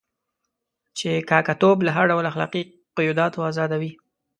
چې کاکه توب له هر ډول اخلاقي قیوداتو آزادوي.